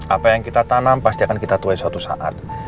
apa yang kita tanam pasti akan kita tuai suatu saat